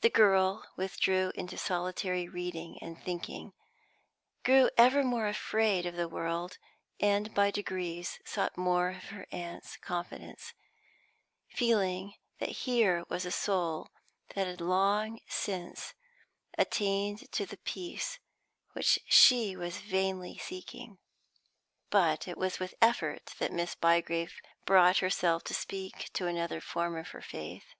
The girl withdrew into solitary reading and thinking; grew ever more afraid of the world; and by degrees sought more of her aunt's confidence, feeling that here was a soul that had long since attained to the peace which she was vainly seeking. But it was with effort that Miss Bygrave brought herself to speak to another of her form of faith.